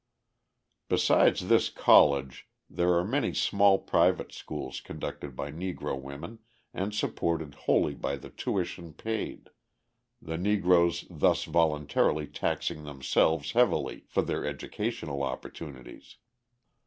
Besides this "college" there are many small private schools conducted by Negro women and supported wholly by the tuition paid the Negroes thus voluntarily taxing themselves heavily for their educational opportunities.